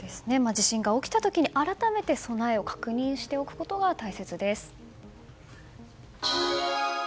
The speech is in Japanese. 地震が起きた時に改めて備えを確認しておくことが大切です。